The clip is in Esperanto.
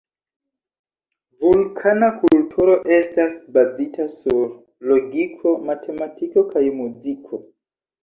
Vulkana kulturo estas bazita sur logiko, matematiko kaj muziko.